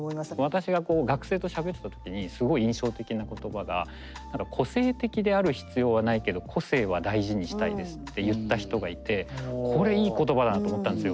私がこう学生としゃべってた時にすごい印象的な言葉が「個性的である必要はないけど個性は大事にしたいです」って言った人がいてこれいい言葉だと思ったんですよ。